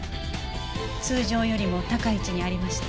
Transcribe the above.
通常よりも高い位置にありました。